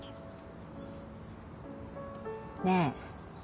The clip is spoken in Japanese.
ねえ？